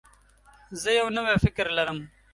زه یو نوی فکر لرم.